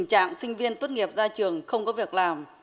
tình trạng sinh viên tốt nghiệp ra trường không có việc làm